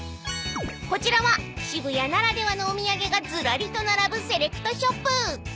［こちらは渋谷ならではのお土産がずらりと並ぶセレクトショップ］